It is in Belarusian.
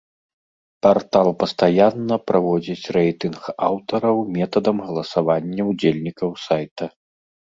Партал пастаянна праводзіць рэйтынг аўтараў метадам галасавання ўдзельнікаў сайта.